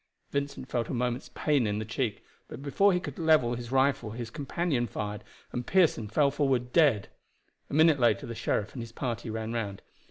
Vincent felt a moment's pain in the cheek, but before he could level his rifle his companion fired, and Pearson fell forward dead. A minute later the sheriff and his party ran round.